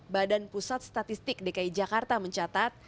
badan pusat statistik dki jakarta mencatat